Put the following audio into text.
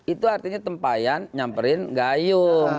itu artinya tempayan nyamperin gayung